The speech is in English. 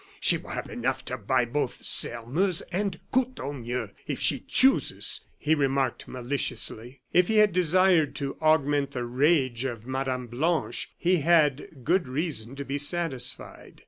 She will have enough to buy both Sairmeuse and Courtornieu, if she chooses," he remarked, maliciously. If he had desired to augment the rage of Mme. Blanche, he had good reason to be satisfied.